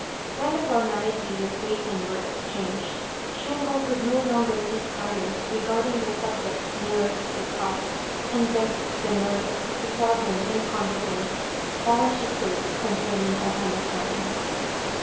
When the formalities of greeting were exchanged, Shunko could no longer keep silence regarding the subject nearest his heart, and begged the nurse to tell him, in confidence, all she could concerning O Hana San.